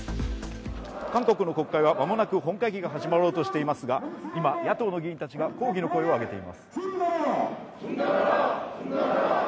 韓国の国会は間もなく本会議が始まろうとしていますが今、野党の議員たちが抗議の声を上げています。